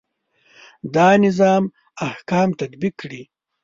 دا نظام احکام تطبیق کړي.